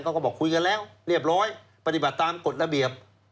เขาก็บอกคุยกันแล้วเรียบร้อยปฏิบัติตามกฎระเบียบ